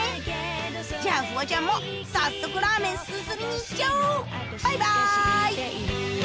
じゃあフワちゃんも早速ラーメンすすりに行っちゃおうバイバイ！